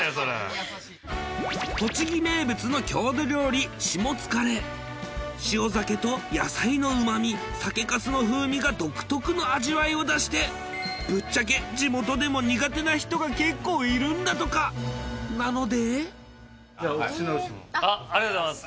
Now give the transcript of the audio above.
栃木名物の郷土料理しもつかれ塩鮭と野菜のうま味酒粕の風味が独特の味わいを出してぶっちゃけ地元でも苦手な人が結構いるんだとかなのでありがとうございます。